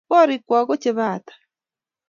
Korikwok ko chebo hata?